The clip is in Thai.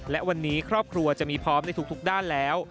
และวันนี้ครอบครัวจะมีพร้อมในทุกด้านแล้ว